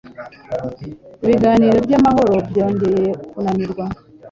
Ibiganiro by'amahoro byongeye kunanirwa